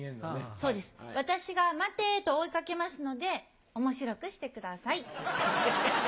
そうです私が「待て！」と追い掛けますので面白くしてください。